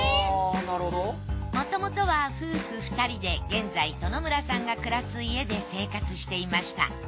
もともとは夫婦２人で現在殿村さんが暮らす家で生活していました。